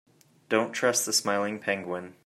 Don't trust the smiling penguin.